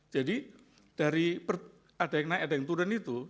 jadi dari ada yang naik ada yang turun itu